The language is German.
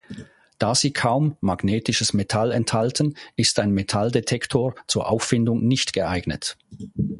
Da sie kaum magnetisches Metall enthalten ist ein Metalldetektor zur Auffindung nicht geeignet.